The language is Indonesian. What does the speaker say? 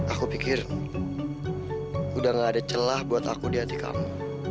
aku pikir udah gak ada celah buat aku di hati kamu